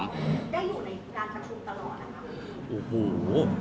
อยู่ในการประชุมตลอดนะครับ